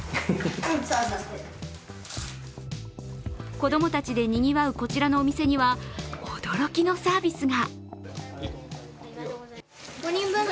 子供たちでにぎわう、こちらのお店には驚きのサービスが。